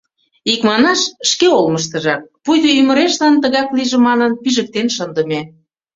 Икманаш, шке олмыштыжак, пуйто ӱмырешлан тыгак лийже манын, пижыктен шындыме.